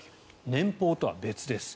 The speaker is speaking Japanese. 年俸とは別です。